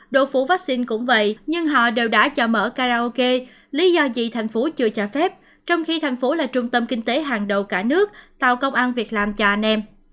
độ phủ vaccine cũng vậy nhưng họ đều đã cho mở karaoke lý do gì thành phố chưa cho phép trong khi thành phố là trung tâm kinh tế hàng đầu cả nước tạo công an việc làm cho anh em